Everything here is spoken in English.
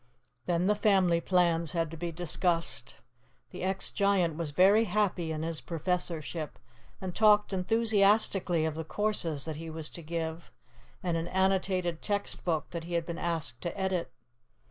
Then the family plans had to be discussed. The ex giant was very happy in his professorship, and talked enthusiastically of the courses that he was to give, and an annotated text book that he had been asked to edit.